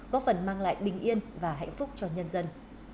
góp phần mang lại bình yên và hạnh phúc cho nhân dân